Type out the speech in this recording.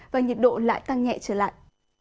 và nhiệt độ lại tăng nhẹ trở lại